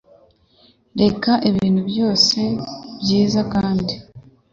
Reka ibintu byose byiza kandi